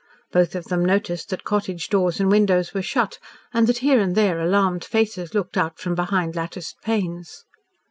Both of them noticed that cottage doors and windows were shut, and that here and there alarmed faces looked out from behind latticed panes.